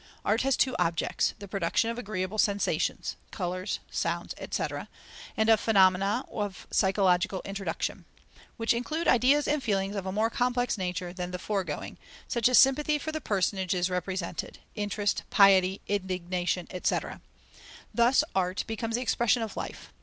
Art has two objects; the production of agreeable sensations (colours, sounds, etc.) and of phenomena of psychological induction, which include ideas and feelings of a more complex nature than the foregoing, such as sympathy for the personages represented, interest, piety, indignation, etc. Thus art becomes the expression of life.